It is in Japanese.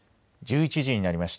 １１時になりました。